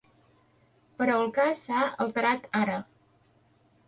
Però el cas s'ha alterat ara.